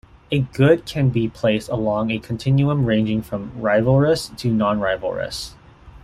A good can be placed along a continuum ranging from rivalrous to non-rivalrous.